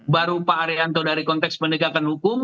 baru pak arianto dari konteks penegakan hukum